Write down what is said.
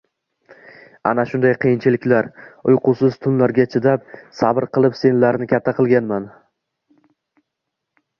Ana shunday qiyinchiliklar, uyqusiz tunlarga chidab, sabr qilib senlarni katta qilganman